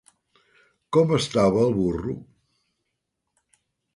Com estava el burro?